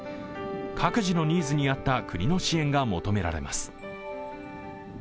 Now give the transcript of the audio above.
各自のニーズに合った国の支援が求められます。